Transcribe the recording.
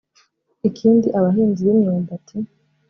Ikindi abahinzi b’imyumbati